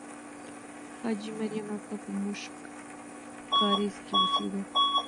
حاجي مریم اکا په موشک کارېز کې اوسېده.